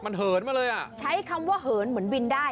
มันเหินมาเลยอ่ะใช้คำว่าเหินเหมือนวินได้